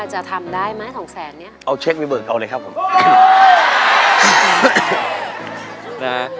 จะทำได้มา๒๐๐๐๐๐เนี่ย